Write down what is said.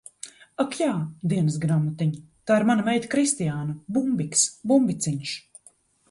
Ak jā, Dienasgrāmatiņ, tā ir mana meita Kristiāna. Bumbiks, Bumbiciņš.